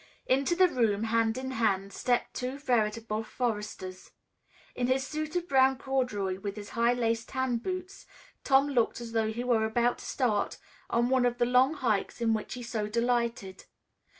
Into the room, hand in hand, stepped two veritable foresters. In his suit of brown corduroy, with his high laced tan boots, Tom looked as though he were about to start on one of the long hikes in which he so delighted.